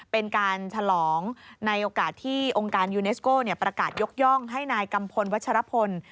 เป็นการฉลองในโอกาสที่องค์การยูเนสโก้ประกาศยกย่องให้นายกัมพลวัชรพล